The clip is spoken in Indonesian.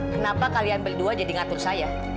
kenapa kalian berdua jadi ngatur saya